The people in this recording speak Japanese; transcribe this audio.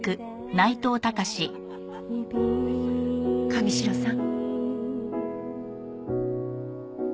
神城さん。